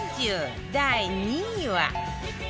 第２位は